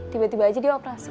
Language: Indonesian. tiba tiba aja dia balik ke sini